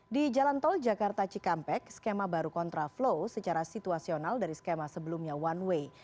di jalan tol jakarta cikampek skema baru kontraflow secara situasional dari skema sebelumnya one way